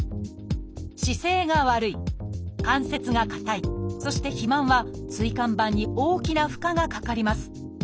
「姿勢が悪い」「関節が硬い」そして「肥満」は椎間板に大きな負荷がかかります。